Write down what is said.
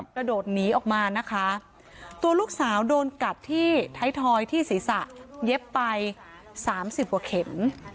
กระโดดหนีออกมานะคะตัวลูกสาวโดนกัดที่ไทยทอยที่ศีรษะเย็บไปสามสิบกว่าเข็ม